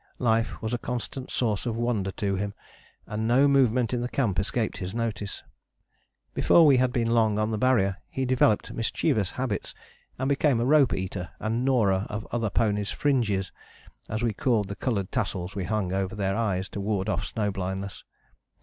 Life was a constant source of wonder to him, and no movement in the camp escaped his notice. Before we had been long on the Barrier he developed mischievous habits and became a rope eater and gnawer of other ponies' fringes, as we called the coloured tassels we hung over their eyes to ward off snow blindness.